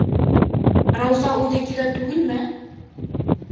Рауза үҙе килә түгелме?